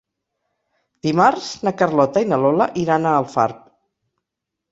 Dimarts na Carlota i na Lola iran a Alfarb.